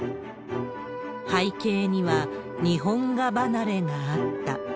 背景には、日本画離れがあった。